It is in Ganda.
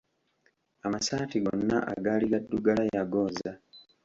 Amasaati gonna agaali gaddugala yagooza.